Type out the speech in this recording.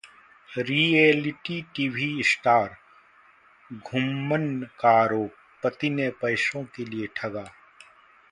reality TV star Ghumman का आरोप, पति ने पैसों के लिए ठगा